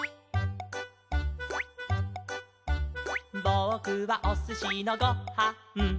「ぼくはおすしのご・は・ん」